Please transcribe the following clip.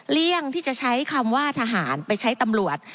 เลี่ยงที่จะใช้คำว่าทหารไปใช้ตำรวจ